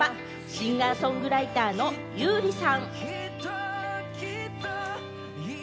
シンガー・ソングライターの優里さん。